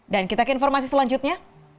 kita ke informasi selanjutnya